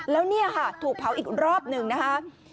แล้วเนี่ยค่ะถูกเผาอีกรอบหนึ่งนะคะ